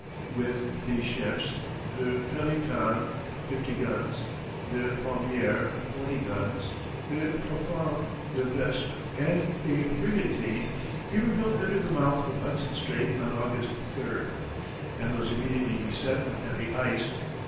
With these ships le Pelican, fifty guns; le Palmier, forty guns; le Profond, le Vespe, and a brigantine Iberville entered the mouth of Hudson Strait on August 3d, and was immediately beset with heavy ice.